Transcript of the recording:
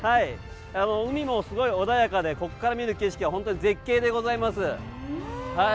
海もすごい穏やかでここから見る景色は本当に絶景でございます。